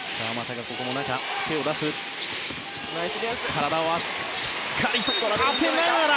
体をしっかり当てながら。